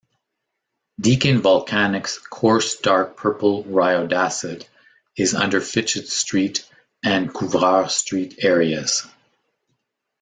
Deakin Volcanics coarse dark purple rhyodacite is under Fitchett Street and Couvreur Street areas.